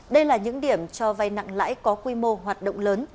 đây là những điểm cho vay nặng lãi có quy mô hoạt động lớn